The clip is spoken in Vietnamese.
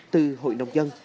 từ hội nông dân